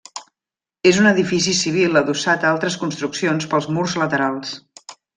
És un edifici civil adossat a altres construccions pels murs laterals.